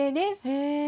へえ。